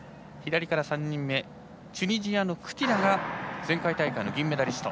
チュニジアのクティラが前回大会の銀メダリスト。